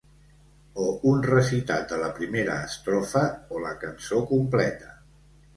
O un recitat de la primera estrofa o la cançó completa.